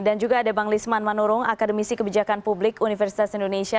dan juga ada bang lisman manurung akademisi kebijakan publik universitas indonesia